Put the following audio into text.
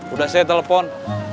udah saya telepon